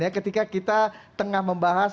ketika kita tengah membahas